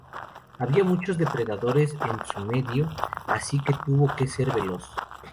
Había muchos depredadores en su medio, así que tuvo que ser veloz.